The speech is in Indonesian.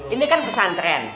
ini kan pesan tren